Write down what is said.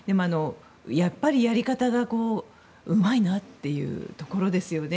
やっぱり、やり方がうまいなというところですよね。